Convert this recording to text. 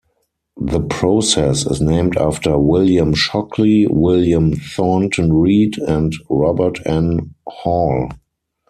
The process is named after William Shockley, William Thornton Read and Robert N. Hall.